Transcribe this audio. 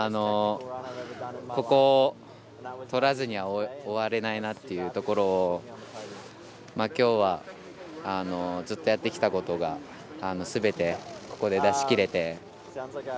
ここをとらずには終われないなっていうところをきょうはずっとやってきたことがすべて、ここで出しきれて。